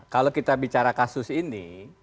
kalau kita bicara kasus ini